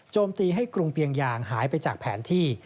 ตีให้กรุงเปียงยางหายไปจากแผนที่